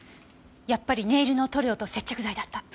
やっぱりネイルの塗料と接着剤だった。